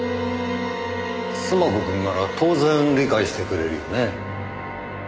須磨子くんなら当然理解してくれるよね？